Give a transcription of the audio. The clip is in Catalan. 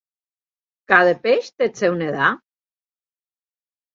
Cada peix té el seu nedar.